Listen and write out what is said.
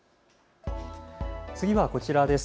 次はこちらです。